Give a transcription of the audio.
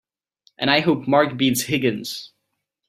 And I hope Mark beats Higgins!